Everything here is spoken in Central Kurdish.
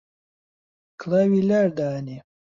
کڵاوی لار دائەنێ